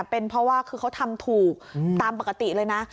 เป็นเพราะว่าคือเขาทำถูกตามปกติเลยนะ